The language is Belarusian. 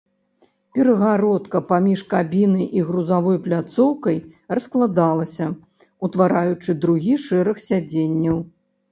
Перагародка паміж кабінай і грузавой пляцоўкай раскладалася, утвараючы другі шэраг сядзенняў.